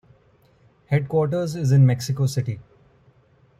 Headquarters is in Mexico City.